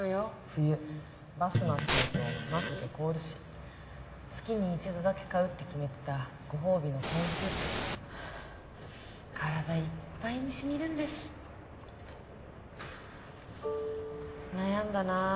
冬バス待ってるとまつげ凍るし月に一度だけ買うって決めてたご褒美のコーンスープ体いっぱいに染みるんです悩んだなあ